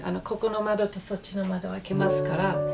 ここの窓とそっちの窓開きますから。